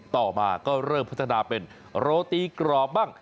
ต่อมาก็เริ่มพัฒนาเป็นโรตีกรอบบ้าง